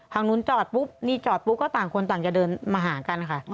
ทางนู้นจอดปุ๊บนี่จอดปุ๊บก็ต่างคนต่างจะเดินมาหากันค่ะ